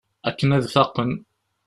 Akken ad faqen.